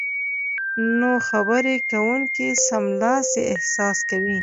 نو خبرې کوونکی سملاسي احساس کوي